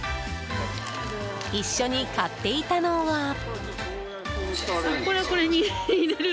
一緒に買っていたのは。